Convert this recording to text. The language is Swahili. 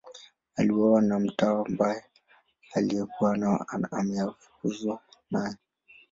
Aliuawa na mtawa mbaya aliyekuwa ameafukuzwa naye.